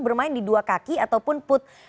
bermain di dua kaki ataupun put